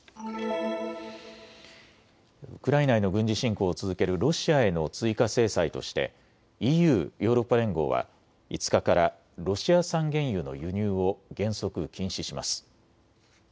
ウクライナへの軍事侵攻を続けるロシアへの追加制裁としてＥＵ・ヨーロッパ連合は５日からロシア産原油の輸入を原則、禁止します。